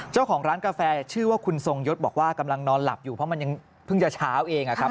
เจ้าของร้านกาแฟชื่อว่าคุณทรงยศบอกว่ากำลังนอนหลับอยู่เพราะมันยังเพิ่งจะเช้าเองอะครับ